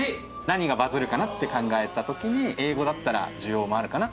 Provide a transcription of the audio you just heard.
何がバズるかなって考えた時に英語だったら需要もあるかなって。